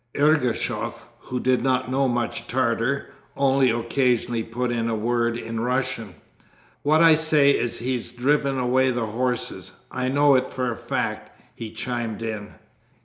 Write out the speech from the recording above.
Ergushov, who did not know much Tartar, only occasionally put in a word in Russian: 'What I say is he's driven away the horses. I know it for a fact,' he chimed in.